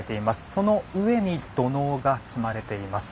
その上に土のうが積まれています。